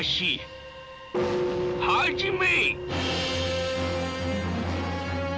始め！